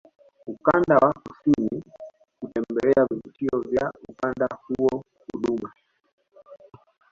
ukanda wa kusini kutembelea vivutio vya ukanda huo Huduma